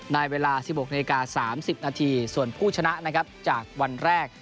ในเวลา๑๖นาที๓๐นาทีส่วนผู้ชนะนะครับจากวันแรก